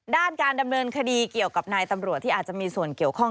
ด้านการดำเนินคดีเกี่ยวกับนายตำรวจที่อาจจะมีส่วนเกี่ยวข้อง